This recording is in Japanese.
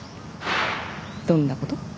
どんなこと？